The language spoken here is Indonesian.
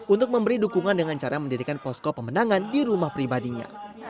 untuk memberi dukungan dengan cara mendirikan posko pemenangan di rumah pribadinya